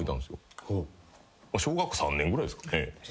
小学３年ぐらいっすかね。